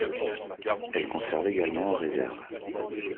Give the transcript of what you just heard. Elle conserve également en réserve.